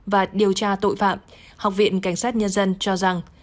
và điều tra tội phạm học viện cảnh sát nhân dân cho rằng